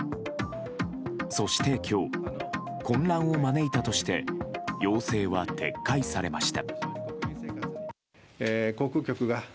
そして、今日混乱を招いたとして要請は撤回されました。